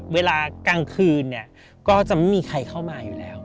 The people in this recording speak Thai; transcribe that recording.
เวลากลางคืนเนี่ยก็จะไม่มีใครเข้ามาอยู่แล้ว